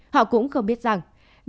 họ cũng không biết rằng